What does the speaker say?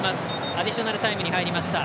アディショナルタイムに入りました。